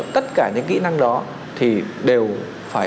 tất cả những kỹ năng đó thì đều phải